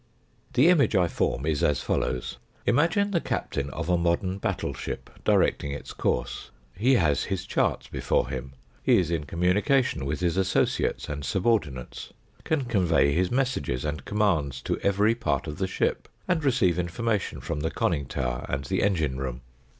The image I form is as follows. Imagine the captain of a modern battle ship directing its course. He has his charts before him ; he is in communication with his associates and subordinates ; can convey his messages and commands to every part of the ship, and receive informa tion from the conn ing tower and the engine room.